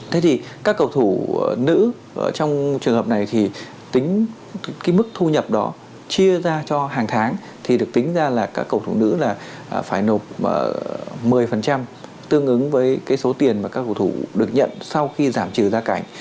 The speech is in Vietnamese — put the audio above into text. thế thì các cầu thủ nữ trong trường hợp này thì tính cái mức thu nhập đó chia ra cho hàng tháng thì được tính ra là các cầu thủ nữ là phải nộp một mươi tương ứng với cái số tiền mà các cổ thủ được nhận sau khi giảm trừ gia cảnh